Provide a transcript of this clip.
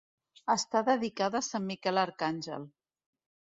Està dedicada a Sant Miquel Arcàngel.